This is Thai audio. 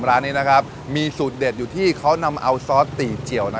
ร้านนี้นะครับมีสูตรเด็ดอยู่ที่เขานำเอาซอสตีเจียว